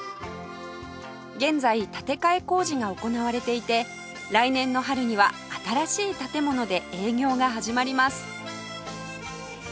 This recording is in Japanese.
現在建て替え工事が行われていて来年の春には新しい建物で営業が始まります